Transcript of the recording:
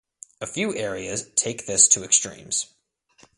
A few areas take this to extremes.